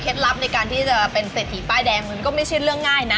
ลับในการที่จะเป็นเศรษฐีป้ายแดงมันก็ไม่ใช่เรื่องง่ายนะ